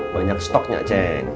banyak stoknya c